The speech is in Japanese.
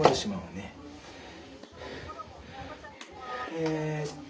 えっと